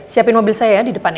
siapin mobil saya ya di depan ya